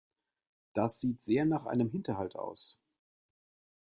Das sieht sehr nach einem Hinterhalt aus.